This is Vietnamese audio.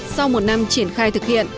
sau một năm triển khai thực hiện